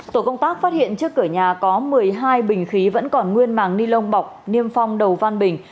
tổ công tác phát hiện trước cửa nhà có một mươi hai bình khí vẫn còn nguyên màng ni lông bọc niêm phong đầu van bình